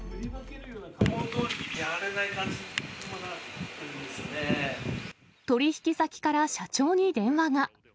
注文どおりにやれない感じに取り引き先から社長に電話が。